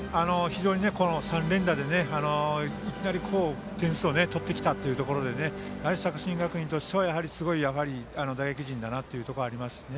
３連打で、いきなり点数を取ってきたというところで作新学院としてはすごい打撃陣だなというところがあります。